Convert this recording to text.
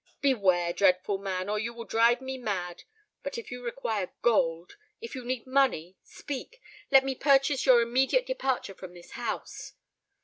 Beware, dreadful man—or you will drive me mad! But if you require gold—if you need money, speak: let me purchase your immediate departure from this house."